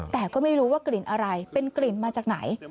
แต่ก็ไม่รู้ว่ากลิ่นอะไรเป็นกลิ่นมาจากไหน